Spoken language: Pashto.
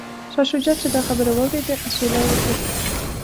شاه شجاع چې دا خبرې واوریدې اسویلی یې وکیښ.